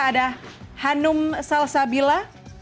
ada hanum salsabila